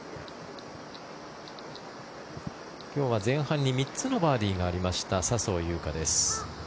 今日は前半に３つのバーディーがありました、笹生優花です。